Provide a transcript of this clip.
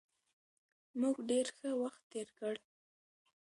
موږ ډېر ښه وخت تېر کړ.